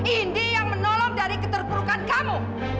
indi yang menolong dari keterburukan kamu